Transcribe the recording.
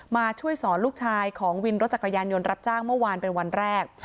มาช่วยสอนลูกชายของวินรถจักรยานยนต์รับจ้างเมื่อวานเป็นวันแรก